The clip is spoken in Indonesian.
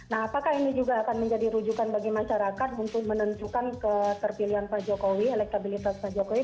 nah apakah ini juga akan menjadi rujukan bagi masyarakat untuk menentukan keterpilihan pak jokowi elektabilitas pak jokowi